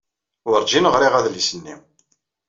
Werjin ɣriɣ adlis-nni.